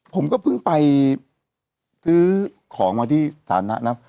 ผมก็เพิ่งไปซื้อของมาที่น้ำสาธารณะนะ